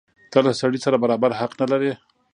ته له سړي سره برابر حق نه لرې.